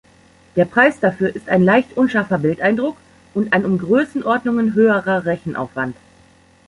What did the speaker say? Der Preis dafür ist ein leicht unscharfer Bildeindruck und ein um Größenordnungen höherer Rechenaufwand.